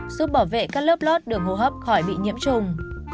giúp bảo vệ các lớp lót đường hô hấp khỏi bị nhiễm trùng